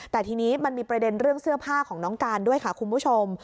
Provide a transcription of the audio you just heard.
แต่ทีนี้มันมีประเด็นเรื่องเสื้อผ้าของน้องการด้วยค่ะคุณผู้ชม